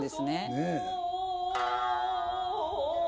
ねえ。